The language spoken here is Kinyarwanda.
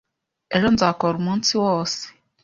Ejo nzakora umunsi wose.